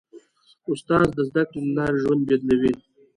استاد د زدهکړې له لارې ژوند بدلوي.